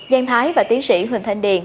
giang thái và tiến sĩ huỳnh thanh điền